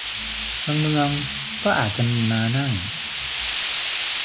บางเมืองก็อาจจะมีม้านั่ง